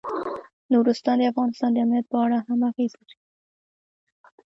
نورستان د افغانستان د امنیت په اړه هم اغېز لري.